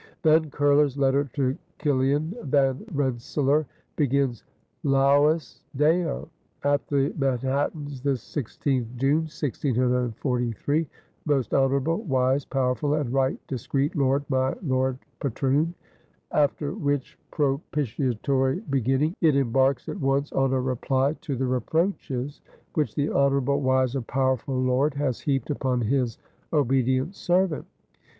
Van Curler's letter to Kiliaen Van Rensselaer begins: "Laus Deo! At the Manhattans this 16th June, 1643, Most honorable, wise, powerful, and right discreet Lord, my Lord Patroon ." After which propitiatory beginning it embarks at once on a reply to the reproaches which the honorable, wise, and powerful Lord has heaped upon his obedient servant.